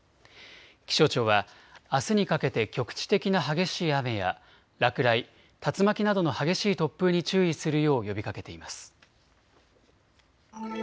気象庁はあすにかけて局地的な激しい雨や落雷、竜巻などの激しい突風に注意するよう呼びかけています。